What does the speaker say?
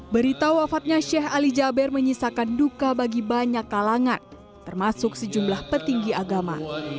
berita wafatnya sheikh ali jaber menyisakan duka bagi banyak kalangan termasuk sejumlah petinggi agama